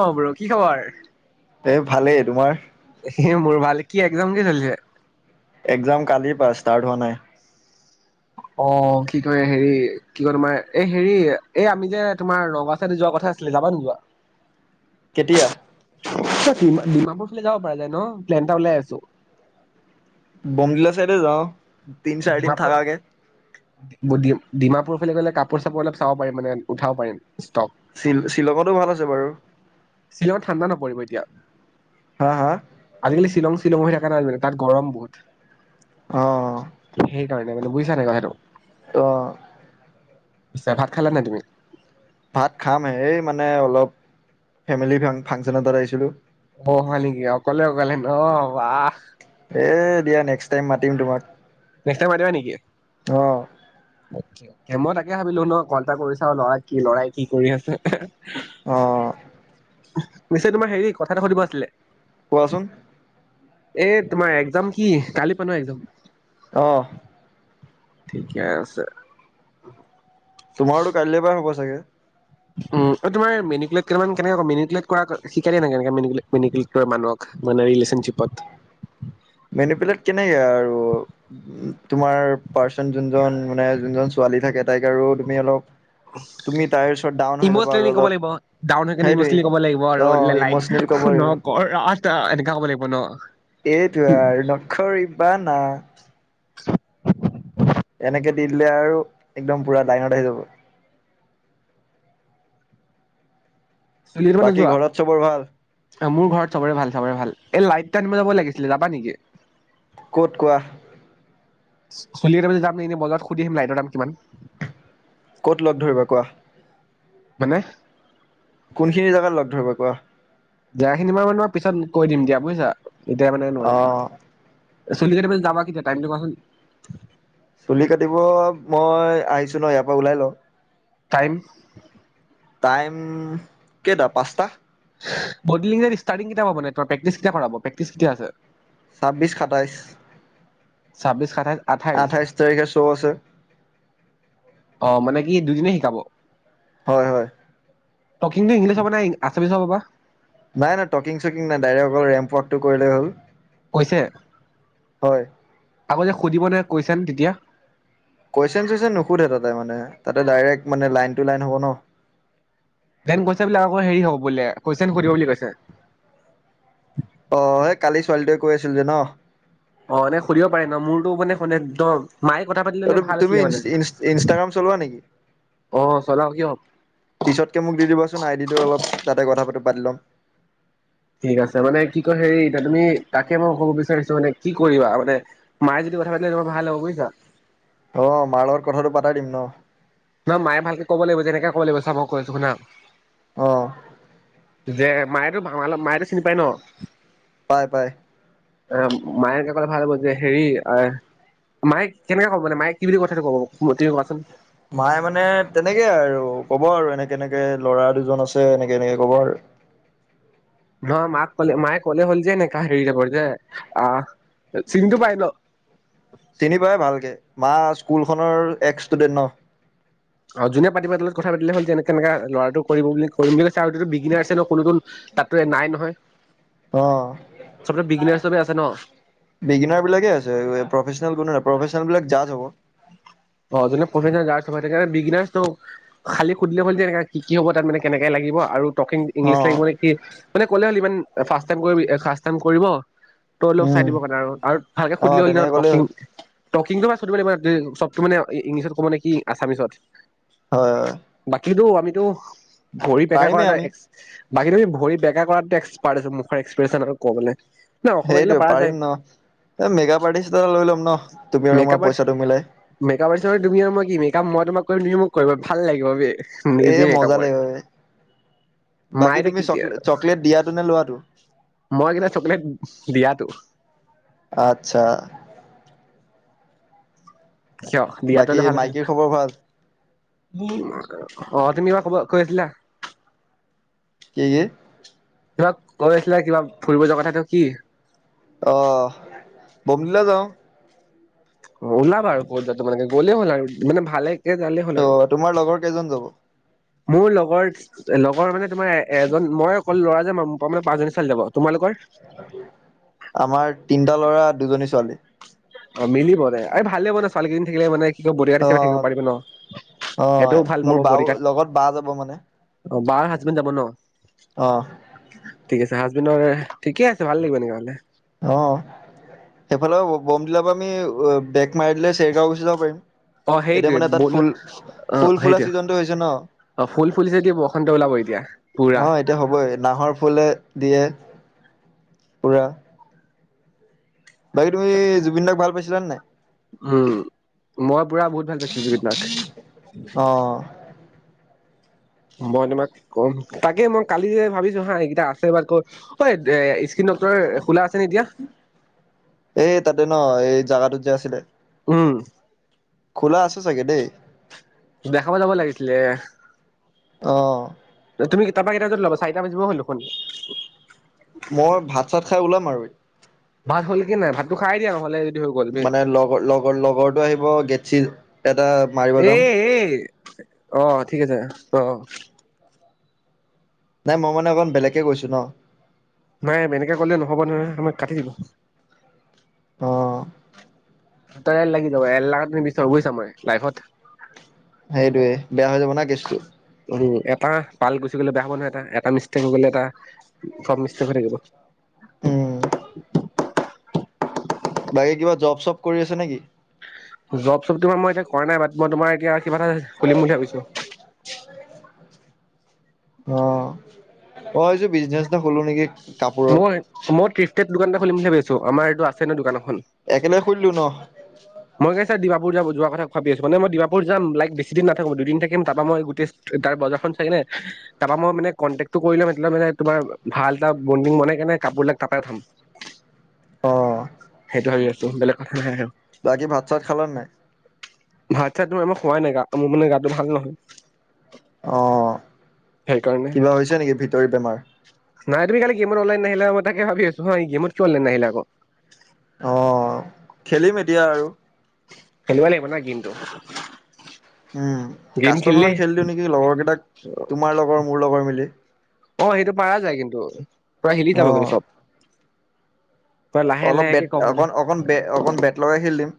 অ'! Bro কি খবৰ? এই ভালেই! তোমাৰ? এ, মোৰ ভালে, কি একজাম কি চলিছে? এগ্জাম কালি পা, ষ্টাৰ্ট হোৱা নাই। অ, কি কয় হেৰি, কি কয় তোমাৰ এই হেৰি, এই আমি যে তোমাৰ নগাঁও চাইদি যোৱা কথা আছিলে। যাবা নে কোৱা? কেতিয়া? ডিমাপুৰ ফালে যাব পৰা যায় ন, প্লেন এটা ওলাই আছো। বমডলা চাইডে যাওঁ। তিনি, চাৰি দিন ডিমাপুৰ থাকাকে। ডিমাপুৰ ফালে গ'লে কাপোৰ চাপোৰ, অলপ চাব পাৰিম মানে উঠাব পাৰিম। ষ্টক শ-শ্বিলঙতো ভাল আছে বাৰু। শ্বিলঙত ঠাণ্ডা নপৰিব এতিয়া। হা হা আজিকালি, শ্বিলং। শ্বিলং হৈ থকা নাই, তাত গৰম বহুত। আহ। সেইকাৰণে মানে বুজছা নাই, কথাটো। অ। পিছে ভাত খালা নে তুমি? ভাত খাম, হ, মানে, অলপ ফেমিলি ফাংচন এটাত আহিছিলো। অহ, হয়, নেকি অকলে, অকলে ন বাহ। এ, দিয়া নেক্সট টাইম মাতিম তোমাক। নেক্সট টাইম মাতিবা নেকি? অঁ। মই তাকে ভাবিলো ন, কল এটা কৰিচাওঁ লৰা কি, লৰাই কি কৰি আছে। অ। নিশ্চয় তোমাৰ হেৰি কথা এটা সুধিব আছিলে। কোৱাচোন? এ, তোমাৰ একজাম কি কালি পোৱান একজাম। আহ। ঠিকে আছে। তোমাৰতো কাইলৈ পৰা হ'ব চাগে। [unintelligible] [unintelligible] তুমি তাইৰ ওচৰত ডাউন হৈ যাবা আৰু ইমোচনেলি ক'ব অলপ লাগিব ডাউন হৈ কাৰে সেইটোৱে ইমোচনেলি ক'ব লাগিব অ আৰু লাইক এ ইমচনেল ক'ব লাগিব এনেকুৱ ক'ব লাগিব ন। এইটো আৰু নখৰিবা না। এনেকে দিলে আৰু একদম পুৰা লাইনত আহি যাব। বাকী ঘৰত চবৰ ভাল। অ' মোৰ ঘৰত চবৰে ভাল চবৰে ভাল এই লাইটো আনিব যাব লাগিছিলে যাবা নেকি। ক'ত কোৱা। চলি এ বি যাম নে এনেই বজাৰ সুধি আহিম লাইটৰ দাম কিমান। ক'ত লগ ধৰিবা কোৱা? মানে। কোনখিনি জাগাত লগ ধৰিবা কোৱা। জেগাখিনি মান মানে মই পিছত কৈ দিম দিয়া বুজিছা। এতিয়া মানে অ নোৱাৰো। চুলি কাটিবলে যাবা কেতিয়া টাইমটো কোৱাচোন। চুলি কাটিব মই আহিছো ন ইয়াৰ পৰা ওলাই লওঁ। টাইম। টাইম কেইটা পাঁচটা। মডেলিং ষ্টাৰ্টিং কেতিয়া কৰাব ত প্ৰেক্টিচ কেতিয়া কৰাব প্ৰেকটিচ কেতিয়া আছে? ছাব্বিছ সাতাইছ। ছাব্বিছ, সাতাইশ, আঠাইছ আঠাইশ তাৰিখে শ্ব' আছে। অ' মানে কি দুদিনে শিকাব। হয় হয়। টকিংটো ইংলিছ হব নে আচামিচ হব বা। নাই নাই টকিং চকিং নাই ডাইৰেক্ট অকল ৰেম্প ৱকটো কৰিলে হ'ল। কৈছে? হয় আকৌ যে সুধিব নে কোৱেচন তেতিয়া। কোৱেচন চোৱেচন নুখোধহে তাতে মানে তাতে ডাইৰেক্ট মানে লাইন টু লাইন হ'ব ন। দেন কৈছে বোলে আকৌ হেৰি হ'ব বোলে কোৱেচন সুধিব বুলি কৈছে। অ' সেই কালি ছোৱালীটোৱে কৈ আছিল যে ন। অ' সুধিব পাৰি ন মোৰতো মানে শুনে একদম। মায়ে কথা পাতি ললে ভাল তুমি আছিলে মানে ইনষ্টাগ্ৰাম চলোৱা নেকি অ চলাও কিয় পিছতকে মোক দি দিবাচোন আইডিটো অলপ তাতে কথা পাতিম। পাতি লম। ঠিক আছে মানে কি কয় হেৰি এতিয়া তুমি তাকে মই ক'ব বিচাৰিছো মানে কি কৰিবা মানে, মায়ে যদি কথা পাতিলে তোমাৰ ভাল হ'ব বুজিছা। অ' মাৰ লগৰ কথাটো পাতাই দিম ন। নহ মায়ে ভালকে ক'ব লাগিব যেনেকে ক'ব লাগিব চাব ম কৈছো শুনা। অ'। যে মায়টো ভাঙাল মায়েটো চিনি পায় ন। পায় পায় আহ মায়ে কাকলে ভাল ব যে হেৰি আ মায়ে কেনেকে ক'ব মানে মায়ে কি বুলি কথাটো ক'ব তুমি কোৱাচোন নাই মানে তেনেকে আৰু কব আৰু এনেকে এনেকে ল'ৰা দুজন আছে এনেকে এনেকে কব আৰু নহ মাক কলে মায়ে কলে হ'ল যে নে কাহ হেৰি যাবৰ যে আহ চিনটো পাই ন চিনি পাই ভালকে মা স্কুল খনৰ এক ষ্টুডেন্ট ন অ যোনে পাতিবা তলত কথা পাতিলে হ'ল যেনেকে এনেকা ল'ৰাটো কৰিব বুলি কৰিম বুলি কৈছে আৰুো বিগিনাৰ আছে ন কোনোতো তাতো নাই নহয় অ চবতে চবে আছে ন বিগিনাৰ বিলাকে আছে প্ৰফেচনেল কো প্ৰফেচনল বিলাক যা হব অনে বি খালী সুধিলে হনে কি কি হ'ব তাত মানে কেনেকে লাগিব আৰু টকিং অ ইংলিছ লাগিব নে কি মানে ক'লে হ'ল ইমান ফাৰ্ষ্ টাইম কৰিব ফাৰ্ষ্ টাইম কৰিব তই অলপ চাই উম দিব কাৰণে আৰু ভালকে অ সুধিলে হ'ল তেনেকে ক'লেই টকিং [unintelligible] চবতটো মানে ইংলিছত ক'ব নে কি মানে কি আছামিছত হয় হয় কিন্তু আমিতো ভৰি বেকা কৰা পাৰিমেই এটা আমি এক বাকী তুমি ভৰি বেকা কৰা পাৰ আছ মুখৰ এক্সপ্ৰেচন আৰু কবলে ন অসমীয়া দিলে সেইটোৱেই পাৰা যায় পাৰিম ন এ মেকাপ আৰ্টিষ্ট এটা লৈ ল'ম ন তুমি আৰু মই পইচাটো মিলাই মেপআপ আৰ্টিষ্ট নো তুমি আৰু মই কি মই তোমাক কৰিম তুমি মোক কৰিবা ভাল লাগিব বে এ নিজে মজা মেকআপ কৰে লাগিব, বাকী মাই এতিয়া তুমি কেতিয়া চকলে চকলেট দিয়াটো নে লোৱাটো? মই কিন্ত চকলেট দিয়াতটো আচ্ছা কিয় দিয়াতো বাকী হ'লে ভাল আছিল মাইকীৰ খবৰ ভাল অ' তুমি খবৰ কৈ আছিলা কি কি কিবা কৈ আছিলে কিবা ফুৰিব যোৱা কথাটো কি অ' বমডিলা যাওঁ অ' ওলাব আৰু কত যোৱা তোমালোকে গ'লেই হ'ল আৰু মানে ভালে ত তোমাৰ লগৰ কেইজন যাব মোৰ লগৰ লগৰ মানে তোমাৰ এ এজন মই অকল ল'ৰা যে মানে পাঁচ জনী ছোৱালী যাব তোমালোকৰ আমাৰ তিনটা লৰা দুজনী ছোৱালী অ' মিলিব দে এই ভালে হব ন ছোৱালী কেইজনী থাকিলে মানে কি কয় বডিগাৰ্ড হিচাপে থাকিব অ' পাৰিব ন অ' এইটোও ভাল পাব মোৰ বাও বডিগাৰ্ড লগত বা যাব মানে অ' বাৰ হাজবেণ্ড যাব ন অ' ঠিক আছে হাজ ঠিকে আছে ভাল লাগিব এনেকে হলে অ' সেইফালে বম দিলাৰ পৰা আমি বেক মাৰি দিলে চেৰগাঁও গুচি যাব পাৰিম অ' এতিয়া সেইটোৱে মানে ব তাত ফুল অ' ফুল ফুলা সেইটোৱে ছিজনটো হৈছে ন, অ' ফুল ফুলিছে যদি বসন্ত ওলাব এতিয়া পুৰা অ' এতিয়া হবই নাহৰ ফুলে দিয়ে পুৰা বাকী তুমি জুবিন দাক ভাল পাইছা পাইছিলান নাই উম মই পুৰা বহুত ভাল পাইছিলো জুবিন দাক অ মই তোমাক কম তাকে মই কালি যে ভাবিছো হা এইকেইটা আছে বাট ক ঐ এ স্কিন ডক্তৰ খোলা আছেনে এতিয়া এই তাতে ন এই জাগাটোত যে আছিলে উম খোলা আছে চাগে দেই দেখাব যাব লাগিছিলে অ'। তুমি তাৰপা কেইটা বজাত ওলাবা, চাৰিটা বজিব হ'ল দেখোন মই ভাত -চাত খাই ওলাম আৰু এই ভাত হ'ল কি নাই, ভাতটো খাই দিয়া নহ'লে হৈ গ'ল মানে লগ লগৰ লগৰটো আহিব গেটছি এটা মাৰিব যাম এই, এই অহ ঠিক আছে অ' নাই মই মানে অকণ বেলেকে গৈছো ন' নাই এনেকে কলে নহ'ব নহয় আমাক কাটি দিব। অ'। তাইল লাগি যাব এলা তুমি বিচাৰি গৈছা মই লাইফত সেইটোৱে বেয়া হৈ যাব না কেছটো উ এটা পাল গুচি গলে বেয়া হ'ব নহয়, এটা-এটা মিষ্টেক হৈ গ'লে এটা চব মিষ্টেক হৈ থাকিব। উম। বাকী কিবা জব-চব কৰি আছে নেকি? জব-চব তোমাৰ মই এতিয়া কৰা নাই বাট, মই তোমাৰ এতিয়া কিবা এটা খুলিম বুলি ভাবিছো অ', -অ' মই ভাবিছো বিজনেচ এটা খোলো নেকি? কাপোৰৰ মই মই তিপ টায়াৰ দোকান খুলিম বুলি ভাবিছো আমাৰ এইটো আছে ন দোকানত একেলগে খুলিলো ন' মই কৈছ যে দিমাপুৰ যাব যোৱাৰ কথা ভাবি আছো মানে মই দিমাপুৰ যাম লাইক বেছি দিন নাথাকো দুদিন থাকিম। তাৰপা মই গোটেই তাৰ বজাৰখন চাই কেনে তাৰাপা মই মে কণ্টেক্টো কৰি লম, এ মে তোমাৰ ভাল এটা বডিং বনাই কেনে কাপোৰবিলাক তাৰ পৰাই উঠাম অ'। সেইটো ভাবি আছো বেলেগ কথা নাই অ' বাকী ভাত-চাত খালা নাই? ভাত-চাত মই খোৱাই নাই, গা মোৰ মানে গাটো ভাল নহয়। অ' সেইকাৰণে। কিবা হৈছে নেকি ভিতৰি বেমাৰ? নাই তুমি কালি গেমৰ অনলাইন নাহিলা, মই তাকে ভাবি আছো, গেমতটো কিয় অনলাইন নাহিলা আকৌ অ' খেলিম এতিয়া আৰু খেলিব লাগিব ন গেমটো উম, গেম কাষ্টম খেলিলে এখন খেলিলো নেকি লগৰ কেইটাক তোমাৰ লগৰ মোৰ লগৰ মিলি অ' সেইটো পাৰা যায় কিন্তু প্ৰায় হিলি যাব কিন্তু অ', চব পুৰা লাহে অলপ বেট, লাহেকে কম হ'লে। অকণ-অকণ বেট অকণ বেট লগাই খেলিম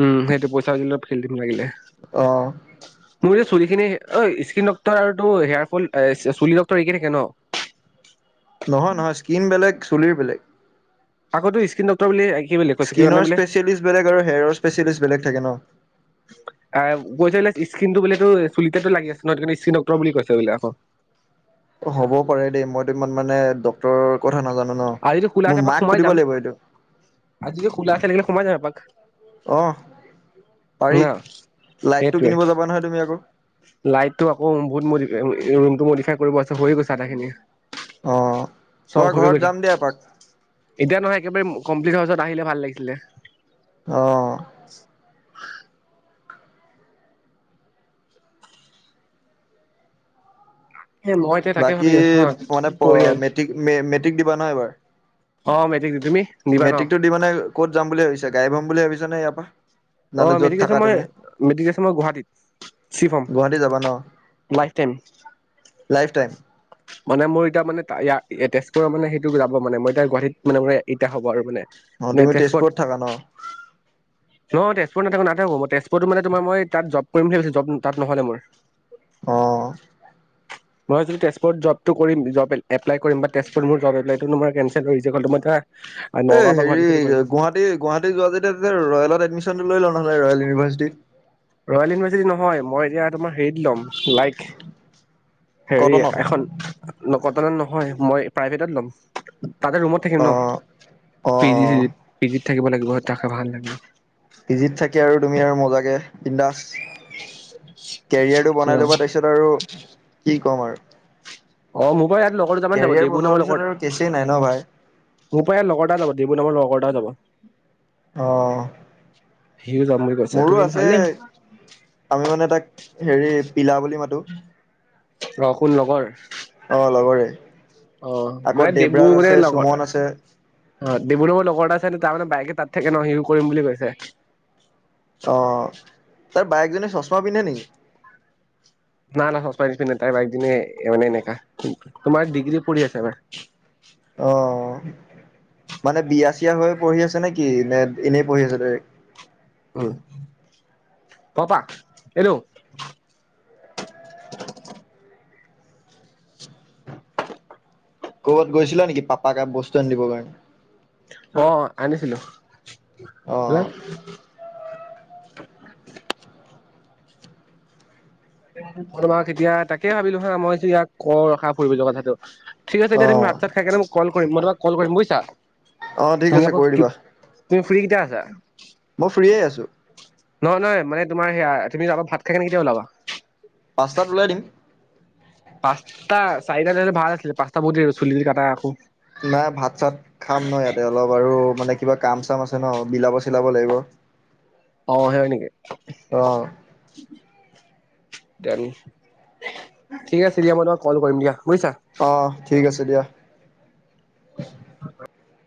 উম সেইটো পইচা দিলে [unintelligible] খেলি দিম লাগিলে অ', মোৰ চুলি খিনি অই স্ক্ৰীন ডক্তৰ আৰুতো হেয়াৰ ফল চুলি ডক্টৰ একে থাকে ন? নহয় নহয় স্কিন বেলেগ, চুলিৰ বেলেগ। আগতো স্কিন ডক্টৰ বুলি কি বুলি কৈছে কি মানে স্কিনৰ বোলে স্পেচিয়েলিষ্ট বেলেগ আৰু হেয়াৰৰ স্পেচিয়েলিষ্ট বেলেগ থাকে ন। আ' কৈছে বুলে স্কিনটো বোলে টোৰ চুলিতেটো লাগি আছে ন সেইটো কাৰণে স্কিন ডক্টৰ বুলি কৈছে বোলে আকৌ। হ'ব পাৰে দেই মইতো ইমান মানে ডক্টৰৰ ক কথা নাজানো ন আজি যদি খোলা আছে মোৰ এপাক মাক সোমাই সুধিব যাম, লাগিব এইটো, আজি যদি খোলা আছে লাগিলে সোমাই যাম এপাক। অ', পাৰি না লাইটটো সেইটোৱে কিনিব যাবা নহয় তুমি আকৌ। লাইটটো আকৌ বহুত মডিফাই ৰুমটো মডিফাই কৰিব আছে হৈ গৈছে আধা খিনি। অ' তোমাৰ ঘৰত যাম দিয়া এপাক। এতিয়া নহয় একেবাৰে কমপ্লিট হাউজত আহিলে ভাল লাগিছিলে। অ'। এ মই এতিয়া তাকে বাকী ভাবি আছো হা কি মানে কৰি আৰু মেট্ৰিক মেট্ৰিক দিবা নহয় এবাৰ। অ' মেটৰিক দিম, তুমি। দিবা ন? মেট্ৰিকতটো দি মানে ক'ত যাম বুলি ভাবিছা গাইব হম বুলি ভাবিছা। [unintelligible] অ' য'ত থাকা তুমি? মেট্ৰিকৰ পিছত মই গুৱাহাটীত চিফ্ট গুৱাহাটী যাবা ন হম লাইফ টাইম। লাইফ টাইম মানে মোৰ এতিয়া মানে তেজপুৰৰ মানে সেইটো যাব মানে মই এতিয়া গুৱাহাটীত মানে মই এতিয়া হ'ব আৰু মানে। অ' তুমি তেজপুৰত থাকা ন। নহয় নাথাকো নাথাকো মই তেজপুৰত মানে তোমাৰ মই তাত জব কৰিম বুলি ভাবিছিলো জব তাত নহ'লে মোৰ। অ'। মই তেজপুৰত জবটো কৰিম জব এপলাই কৰিম বা তেজপুৰত মোৰ জব এপলাটোই কেনচেল [unintelligible] এ নগাঁও বা গুৱাহাটী হেৰি, চাইডে কৰিম। গুৱাহাটী গুৱাহাটীত যোৱা যেতিয়া ৰয়েলত এডমিছন লৈ ল নহ'লে ৰয়েল ইউনিভাৰ্চিটিত। ৰয়েল ইউনিভাৰ্চিটি নহয় মই এতিয়া তোমাৰ হেৰিত ল'ম লাইক। হেৰি কটনত এখন। কটনত নহয় মই প্ৰাইভেটত ল'ম। তাতে ৰুমত থাকিম অ ন, অ পি অ জি চিজি পিজিত। থাকিব লাগিব থাকি ভাল লাগিব। পিজিত থাকে আৰু তুমি আৰু মজাকে বিন্দাস। কেৰিয়াৰটো বনাই ল'বা তাৰপিছত আৰু কি ক'ম আৰু। কেৰিয়াৰ বনোৱাৰ পিছত আৰু কেছেই নাই ন [unintelligible] ভাই [unintelligible] অ'। সিও যাম বুলি কৈছে মোৰো তোৰ আছে আমি ভালেই। মানে তাক হেৰি পিলা বুলি মাতো। অঁ কোন লগৰ অঁ লগৰে অ' আকৌ মানে ডেবু দেৱৰাজ মানে আছে লগৰ সুমন আছে অ' ডেবু লগৰ লগৰ এটা আছে ন তাৰমানে বাইকে তাত থাকে ন হিউ কৰিম বুলি কৈছে অ' তাৰ বায়েকজনী চশমা পিন্ধে নেকি না না শচমা নিপিন্ধে তাই বাইকজনী এনেকা তোমাৰ ডিগ্ৰী পঢ়ি আছে না অ' মানে বিয়া চিয়া হৈ পঢ়ি আছে নে কি নে এনেই পঢ়ি আছে ডাইৰেক্ট উম পাপা এইটো ক'বাত গৈছিলা নেকি পাপাকে বস্তু আনি দিবৰ কাৰণে অ' আনিছিলো [inaudible] [inaudible] অ তোমাক এতিয়া তাকে ভাবিলো হা মইছো ইয়াক কও ৰখা ফুৰিবলে কথাটো ঠিক আছে অ দিয়া তুমি ভাত চাত খাই কেনে মোক কল কৰিবা কৰিম মই তোমাক কল কৰিম বুজিছা অঁ ঠিক তুমি আছে আকৌ কৰি কি দিবা তুমি ফ্ৰী কেতিয়া আছা মই ফ্ৰিয়েই আছোঁ নহয় নহয় মানে তোমাৰ হেয়া তুমি যাবা ভাত খাই কেনে কেতিয়া ওলাবা পাঁচটাত ওলাই দিম পাঁচটা চাৰিটাত অহা হলে ভাল আছিলে পাচটাত বহুত দৰে হব চুলি তুলি কাটা আকৌ নাই ভাত চাত খাম ন ইয়াতে অলপ আৰু মানে কিবা কাম চাম আছে ন বিলাব চিলাব লাগিব। অ' হয় নেকি? অ ঠিক আছে দিয়া মই তোমাক কল কৰিম দিয়া। বুজিছা। অ' ঠিক আছে দিয়া। [inaudible]